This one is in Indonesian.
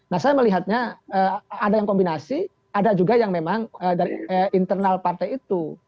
nah saya melihatnya ada yang kombinasi ada juga yang memang dari internal partai itu